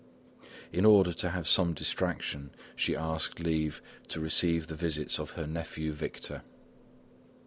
In order to have some distraction, she asked leave to receive the visits of her nephew Victor.